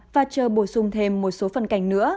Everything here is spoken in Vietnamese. và chờ bổ sung thêm một số phần cảnh nữa